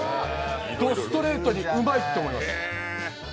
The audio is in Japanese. どストレートにうまいと思いました。